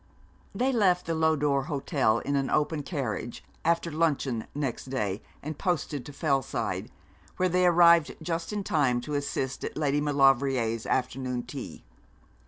They left the Lodore Hotel in an open carriage, after luncheon next day, and posted to Fellside, where they arrived just in time to assist at Lady Maulevrier's afternoon tea.